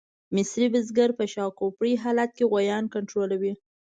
مصري بزګر په شاکړوپي حالت کې غویان کنټرولوي.